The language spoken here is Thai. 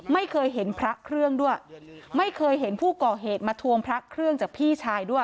ไม่เคยเห็นพระเครื่องด้วยไม่เคยเห็นผู้ก่อเหตุมาทวงพระเครื่องจากพี่ชายด้วย